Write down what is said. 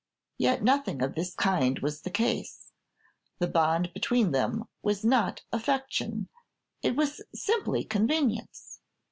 Yet nothing of this kind was the case; the bond between them was not affection, it was simply convenience.